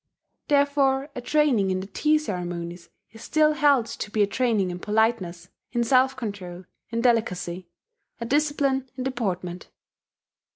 Therefore a training in the tea ceremonies is still held to be a training in politeness, in self control, in delicacy, a discipline in deportment....